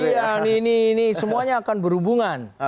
iya ini semuanya akan berhubungan